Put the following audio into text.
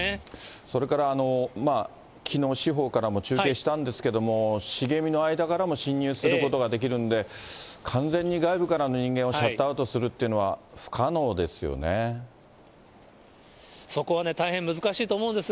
それから、きのう四方からも中継したんですけれども、茂みの間からも侵入することができるんで、完全に外部からの人間をシャットアウトするそこはね、大変難しいと思うんです。